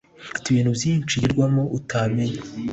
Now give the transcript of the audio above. afite ibintu byishi yirirwamo utamenya